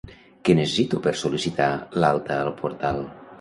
Què necessito per sol·licitar l'alta al portal?